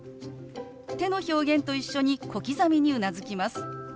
手の表現と一緒に小刻みにうなずきます。